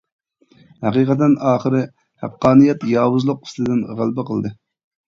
ھەقىقەتەن ئاخىرى ھەققانىيەت ياۋۇزلۇق ئۈستىدىن غەلىبە قىلدى.